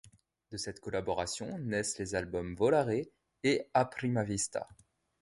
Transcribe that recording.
De cette collaboration naissent les albums Volare et A Prima Vista.